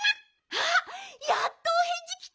あっやっとおへんじきた。